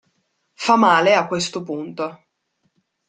Fa male a questo punto.